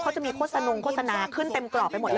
เขาจะมีโฆษณงโฆษณาขึ้นเต็มกรอบไปหมดเลย